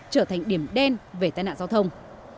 trở thành điểm đen về tai nạn giao thông